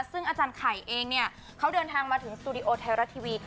ซึ่งอาจารย์ไข่เองเนี่ยเขาเดินทางมาถึงสตูดิโอไทยรัฐทีวี